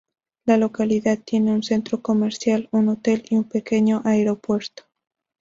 La localidad tiene un centro comercial, un hotel y un pequeño aeropuerto.